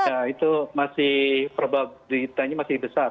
ya itu masih perubahan ditanya masih besar